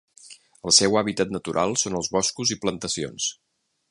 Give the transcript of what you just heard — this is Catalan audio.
El seu hàbitat natural són els boscos i plantacions.